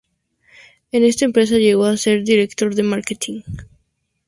En esta empresa llegó a ser Director de Marketing.